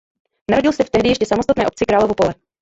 Narodil se v tehdy ještě samostatné obci Královo Pole.